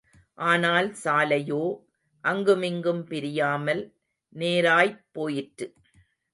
ஆனால் சாலையோ அங்குமிங்கும் பிரியாமல் நேராய்ப் போயிற்று.